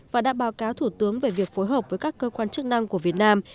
và đã báo cáo thủ tướng về việc phối hợp với các cơ quan chức năng của việt nam